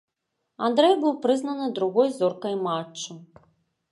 Андрэй быў прызнаны другой зоркай матчу.